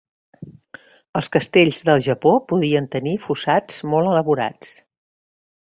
Els castells del Japó podien tenir fossats molt elaborats.